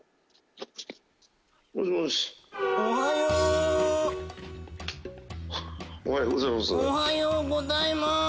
おはようございます。